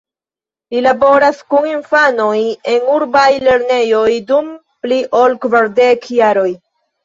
Li laboras kun infanoj en urbaj lernejoj dum pli ol kvardek jaroj.